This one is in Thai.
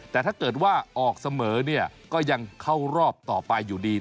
แต่ถ้าเกิดว่าออกเสมอเนี่ยก็ยังเข้ารอบต่อไปอยู่ดี